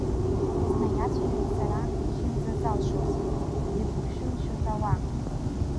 Снаиацәажәеит сара иахьынӡазалшоз игушәы-мшәы ҳәауа.